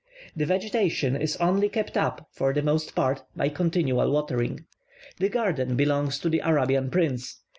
The vegetation is only kept up, for the most part, by continual watering. The garden belongs to the Arabian prince.